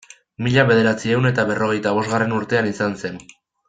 Mila bederatziehun eta berrogeita bosgarren urtean izan zen.